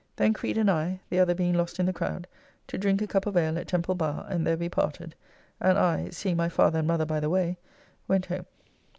Then Creed and I (the other being lost in the crowd) to drink a cup of ale at Temple Bar, and there we parted, and I (seeing my father and mother by the way) went home.